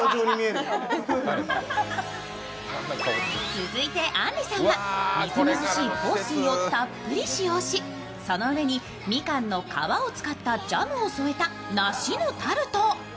続いてあんりさんは、みずみずしい豊水をたっぷり使用しその上に、みかんの皮を使ったジャムを添えた梨のタルト。